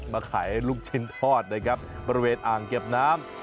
มาขายลูกชิ้นทอดนะครับบริเวณอ่างเก็บน้ำ